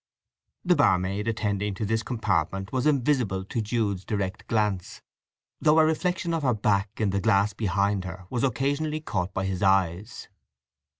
The barmaid attending to this compartment was invisible to Jude's direct glance, though a reflection of her back in the glass behind her was occasionally caught by his eyes.